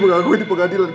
menganggung di pengadilan